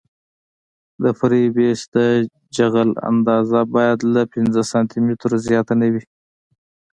د فرعي بیس د جغل اندازه باید له پنځه سانتي مترو زیاته نه وي